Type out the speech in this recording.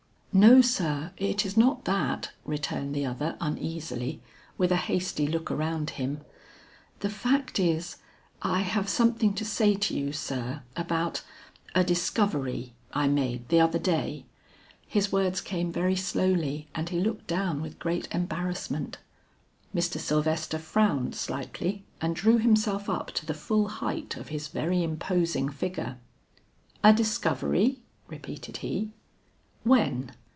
"No sir, it is not that," returned the other uneasily, with a hasty look around him. "The fact is, I have something to say to you, sir, about a discovery I made the other day." His words came very slowly, and he looked down with great embarrassment. Mr. Sylvester frowned slightly, and drew himself up to the full height of his very imposing figure. "A discovery," repeated he, "when?"